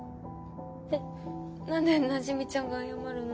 えっ何でなじみちゃんが謝るの？